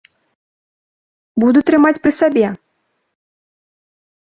Буду трымаць пры сабе!